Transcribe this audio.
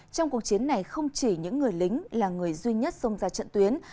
trong cuộc chiến này không chỉ những người lính là người duy nhất xông ra trận tuyến